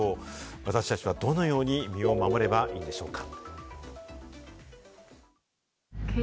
私達は、どのように身を守ればいいのでしょうか？